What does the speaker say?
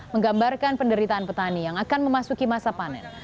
menggambarkan penderitaan petani yang akan memasuki masa panen